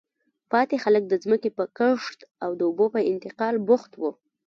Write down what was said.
پاتې خلک د ځمکې په کښت او د اوبو په انتقال بوخت وو.